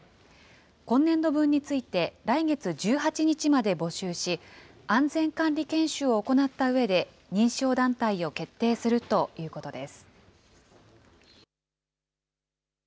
今年度分について来月１８日まで募集し、安全管理研修を行ったうえで、認証団体を決定するということです。